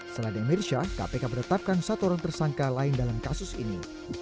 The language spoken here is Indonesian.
selain mirsyah kpk menetapkan satu orang tersangka lain dalam kasus ini